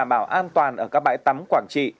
vấn đề đảm bảo an toàn ở các bãi tắm quảng trị